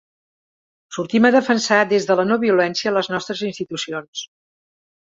Sortim a defensar des de la no-violència les nostres institucions.